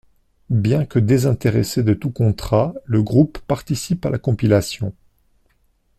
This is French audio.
Bien que désintéressé de tout contrat, le groupe participe à la compilation '.